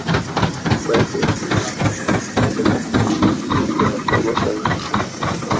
Basi limesamishwa na askari.